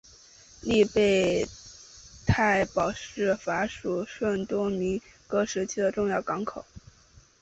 利贝泰堡是法属圣多明戈时期的重要港口。